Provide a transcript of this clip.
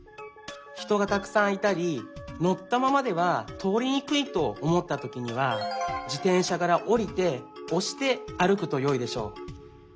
ひとがたくさんいたりのったままではとおりにくいとおもったときには自転車からおりておしてあるくとよいでしょう。